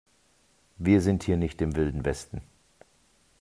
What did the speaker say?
Wir sind hier nicht im Wilden Westen.